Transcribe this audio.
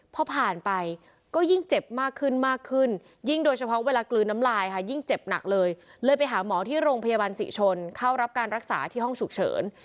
พอผ่านไปก็ยิ่งเจ็บมากขึ้นมากขึ้นยิ่งโดยเฉพาะเวลากลืนน้ำลายค่ะยิ่งเจ็บหนักเลยเลยไปหาหมอที่โรงพยาบาลศรีชนเข้ารับการรักษาที่ห้องฉุกเฉิน